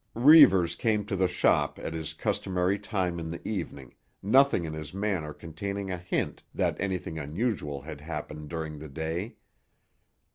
Reivers came to the shop at his customary time in the evening, nothing in his manner containing a hint that anything unusual had happened during the day.